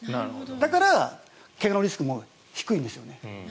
だから、怪我のリスクも低いんですよね。